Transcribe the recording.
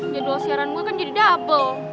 jadwal siaran gue kan jadi double